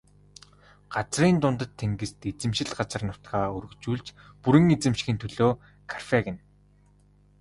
Газрын дундад тэнгист эзэмшил газар нутгаа өргөжүүлж бүрэн эзэмшихийн төлөө Карфаген.